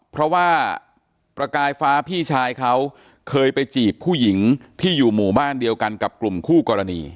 เพราะว่าประกายฟ้าพี่ชายเขาเคยไปจีบผู้หญิงที่อยู่หมู่บ้านเดียวกันกับกลุ่มคู่กรณี